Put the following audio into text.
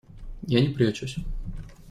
Я не прячусь.